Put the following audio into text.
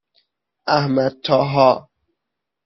احمدطاها